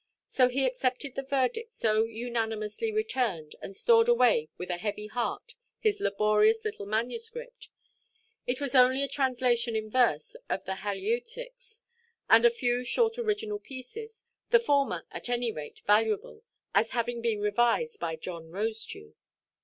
So he accepted the verdict so unanimously returned, and stored away with a heavy heart his laborious little manuscript. It was only a translation in verse of the Halieutics, and a few short original pieces—the former at any rate valuable, as having been revised by John Rosedew.